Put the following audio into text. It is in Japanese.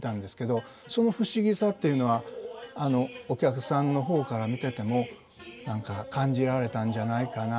その不思議さっていうのはお客さんの方から見てても何か感じられたんじゃないかな。